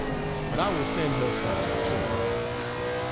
But I will send her some, soon.